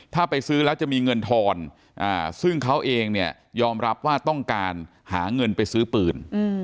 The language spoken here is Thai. ถ้าไปซื้อแล้วจะมีเงินทอนซึ่งเขาเองเนี่ยยอมรับว่าต้องการหาเงินไปซื้อปืน